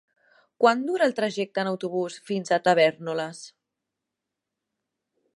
Quant dura el trajecte en autobús fins a Tavèrnoles?